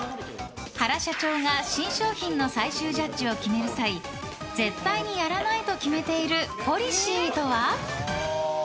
原社長が新商品の最終ジャッジを決める際絶対にやらないと決めているポリシーとは？